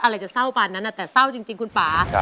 อะไรจะเศร้าปานนั้นแต่เศร้าจริงคุณป่า